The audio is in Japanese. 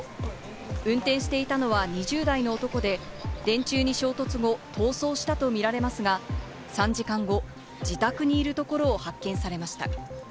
運転していたのは２０代の男で、電柱に衝突後、逃走したとみられますが、３時間後、自宅にいるところを発見されました。